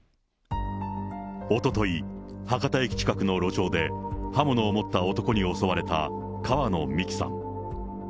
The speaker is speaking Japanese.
おととい、博多駅近くの路上で、刃物を持った男に襲われた、川野美樹さん。